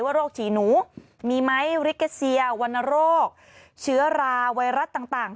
ว่าโรคชีนูมีไหมวิกาเซียวัณรอกเชื้อราไวรัสต่าง